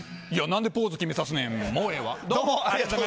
何でポーズ決めさすねん。